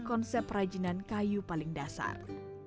konsep kerajinan kayu paling dasar